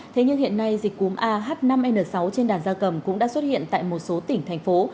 thế nhưng hiện nay dịch cúm a h năm n sáu trên đàn gia cầm cũng đã xuất hiện tại một số tỉnh thành phố